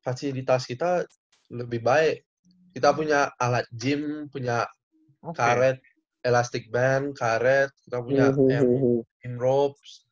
fasilitas kita lebih baik kita punya alat gym punya karet elastic band karet kita punya in ropes